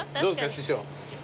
師匠。